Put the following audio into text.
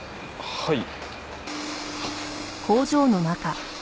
はい。